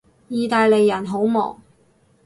意大利人好忙